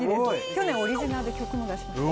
去年オリジナルで曲も出しました